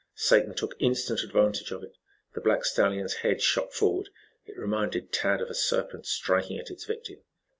Satan took instant advantage of it. The black stallion's head shot forward. It reminded Tad of a serpent striking at its victim.